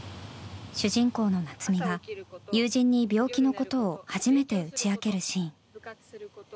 主人公の夏実が友人に病気のことを初めて打ち明けるシーン。